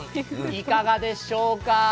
いかがでしょうか。